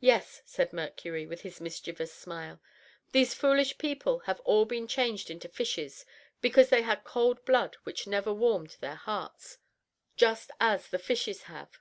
"Yes," said Mercury, with his mischievous smile, "these foolish people have all been changed into fishes because they had cold blood which never warmed their hearts, just as the fishes have."